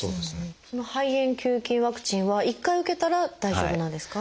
その肺炎球菌ワクチンは一回受けたら大丈夫なんですか？